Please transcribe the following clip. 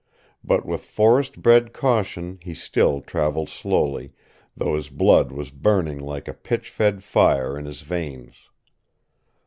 But with forest bred caution he still traveled slowly, though his blood was burning like a pitch fed fire in his veins.